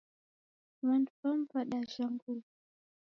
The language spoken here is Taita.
W'andu w'amu w'adajha nguw'i